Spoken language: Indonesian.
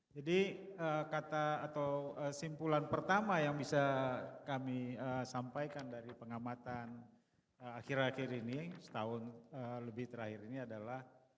jadi kata atau simpulan pertama yang bisa kami sampaikan dari pengamatan akhir akhir ini setahun lebih terakhir ini adalah